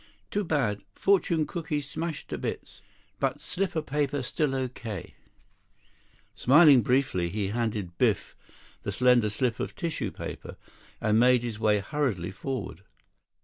"Too bad. Fortune cooky smashed to bits. But slip of paper still okay." Smiling briefly, he handed Biff the slender slip of tissue paper, and made his way hurriedly forward.